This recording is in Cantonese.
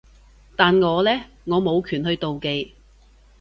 但我呢？我冇權去妒忌